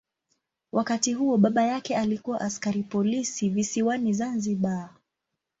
Wakati huo baba yake alikuwa askari polisi visiwani Zanzibar.